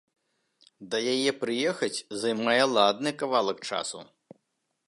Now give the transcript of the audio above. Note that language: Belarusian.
Да яе прыехаць займае ладны кавалак часу.